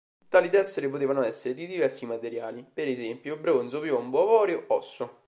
Tali tessere potevano essere di diversi materiali, per esempio bronzo, piombo, avorio, osso.